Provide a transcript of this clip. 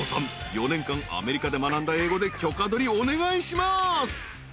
４年間アメリカで学んだ英語で許可取りお願いします］